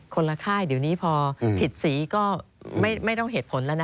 คนละค่ายเดี๋ยวนี้พอผิดสีก็ไม่ต้องเหตุผลแล้วนะ